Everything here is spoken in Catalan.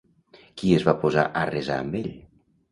Qui es va posar a resar amb ell?